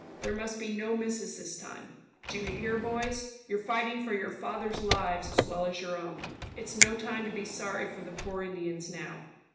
There must be no misses this time. Do you hear, boys? You're fighting for your fathers' lives as well as your own. It's no time to be sorry for the poor Indians now.